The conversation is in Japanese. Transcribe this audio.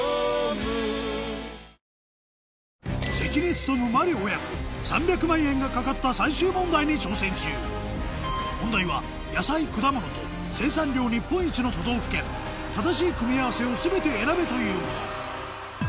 勤麻里親子３００万円が懸かった最終問題に挑戦中問題は「野菜・果物と生産量日本一の都道府県正しい組み合わせをすべて選べ」というもの